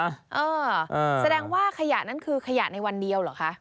เออแสดงว่าขยะนั้นคือขยะในวันเดียวเหรอคะ